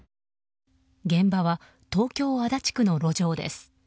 現場は東京・足立区の路上です。